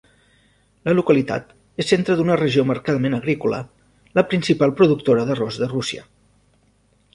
La localitat és centre d'una regió marcadament agrícola, la principal productora d'arròs de Rússia.